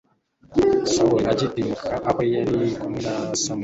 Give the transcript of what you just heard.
sawuli agitirimuka aho yari kumwe na samweli